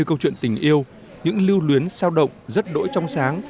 câu chuyện tình yêu những lưu luyến sao động rất đỗi trong sáng